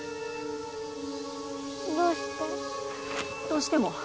どうしても。